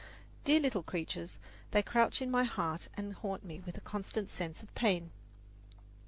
Dear little creatures, they crouch in my heart and haunt me with a constant sense of pain.